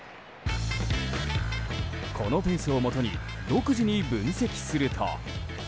このペースをもとに独自に分析すると。